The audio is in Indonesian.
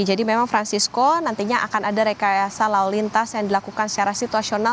jadi memang francisco nantinya akan ada rekayasa lalu lintas yang dilakukan secara situasional